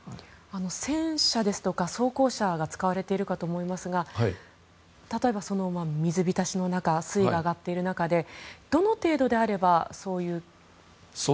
戦車ですとか装甲車が使われていると思いますが例えば、水浸しの中水位が上がっている中でどの程度であれば、そういう。